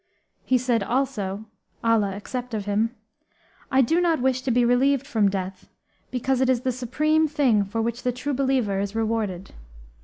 He said also (Allah accept of him!), 'I do not wish to be relieved from death, because it is the supreme thing for which the True Believer is rewarded.'